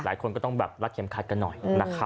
หลายคนก็ต้องรักเข็มขาดกันหน่อย